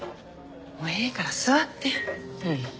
もうええから座って。